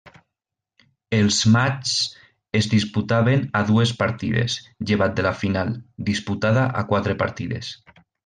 Els matxs es disputaven a dues partides, llevat de la final, disputada a quatre partides.